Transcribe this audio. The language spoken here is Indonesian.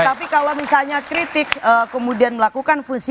tapi kalau misalnya kritik kemudian melakukan fungsi